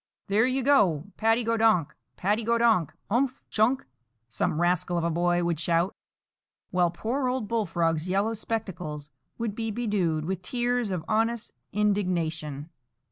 "There you go, Paddy go donk, Paddy go donk—umph—chunk," some rascal of a boy would shout, while poor old Bullfrog's yellow spectacles would be bedewed with tears of honest indignation.